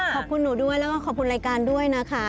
ขอบคุณหนูด้วยแล้วก็ขอบคุณรายการด้วยนะคะ